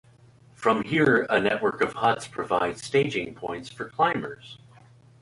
From here a network of huts provide staging points for climbers.